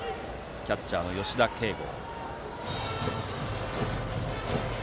キャッチャーの吉田慶剛。